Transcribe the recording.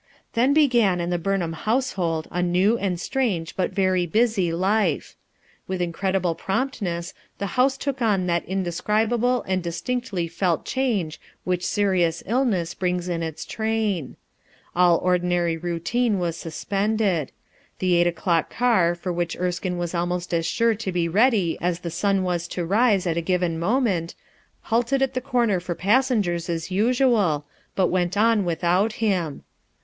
Then began in the Burnham household a new and strange but very busy life. With incredible promptness the house took on that indescribable and distinctly felt change which serious illness brings in its train. All ordinary routine was suspended. The eight o'clock car for which Erskine w T as almost as sure to be ready as the sun w r as to rise at a given moment, halted at the corner for passengers as usual, but went on without him.